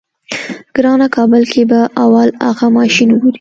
ګرانه کابل کې به اول اغه ماشين وګورې.